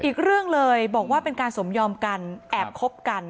อีกเรื่องเลยบอกว่าเป็นการสมยอมกันแอบคบกัน